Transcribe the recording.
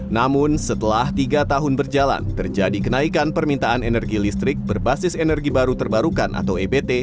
namun setelah tiga tahun berjalan terjadi kenaikan permintaan energi listrik berbasis energi baru terbarukan atau ebt